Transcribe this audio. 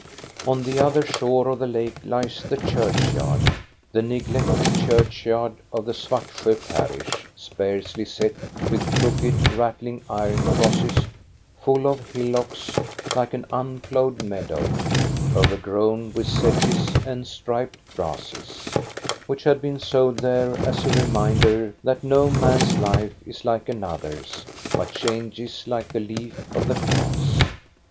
On the other shore of the lake lies the churchyard, the neglected churchyard, of the Svartsjo parish, sparsely set with crooked, rattling iron crosses, full of hillocks like an unploughed meadow, overgrown with sedges and striped grasses, which had been sowed there as a reminder that no man's life is like another's, but changes like the leaf of the grass.